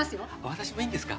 私もいいんですか？